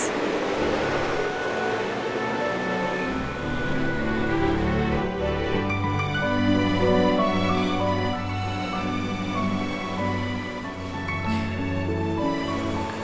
aku mau ke rumah